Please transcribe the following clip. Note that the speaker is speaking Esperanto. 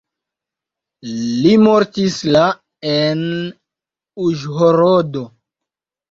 Li mortis la en Uĵhorodo.